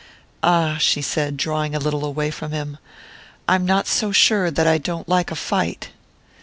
"Ah," she said, drawing a little away from him, "I'm not so sure that I don't like a fight!"